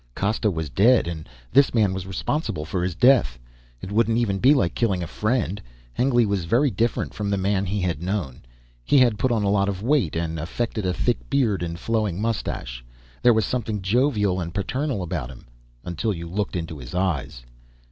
Costa was dead, and this man was responsible for his death. It wouldn't even be like killing a friend, Hengly was very different from the man he had known. He had put on a lot of weight and affected a thick beard and flowing mustache. There was something jovial and paternal about him until you looked into his eyes.